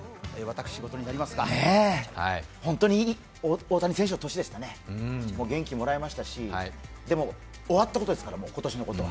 ねぇ、本当に大谷選手の年でしたね元気をもらいましたしでも、終わったことですから今年のことは。